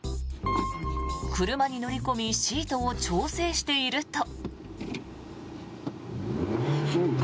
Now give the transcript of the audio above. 車に乗り込みシートを調整していると。